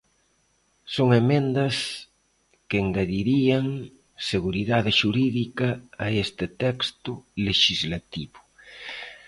Son emendas que engadirían seguridade xurídica a este texto lexislativo.